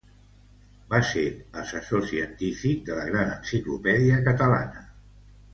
Va ser assessor científic de la Gran Enciclopèdia Catalana.